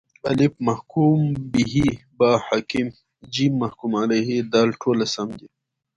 الف: محکوم به ب: حاکم ج: محکوم علیه د: ټوله سم دي